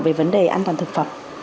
về vấn đề an toàn thực phẩm